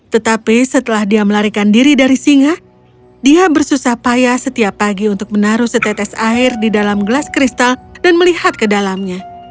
tetapi setelah dia melarikan diri dari singa dia bersusah payah setiap pagi untuk menaruh setetes air di dalam gelas kristal dan melihat ke dalamnya